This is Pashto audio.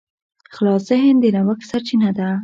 خلاص ذهن د نوښت سرچینه ده.